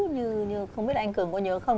như không biết là anh cường có nhớ không